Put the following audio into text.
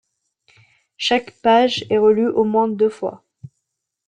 Chaque page est relue au moins deux fois.